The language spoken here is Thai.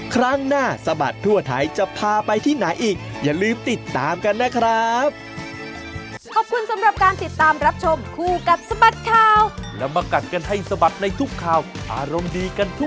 ครั้งหน้าสบัตรทั่วไทยจะพาไปที่ไหนอีก